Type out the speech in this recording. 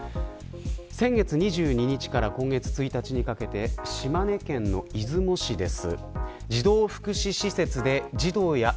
先月２２日から今月１日にかけて島根県の出雲市です。